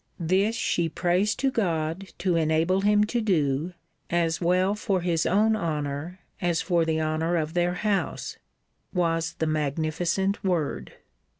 This she prays to God to enable him to do, as well for his own honour, as for the honour of their house,' was the magnificent word.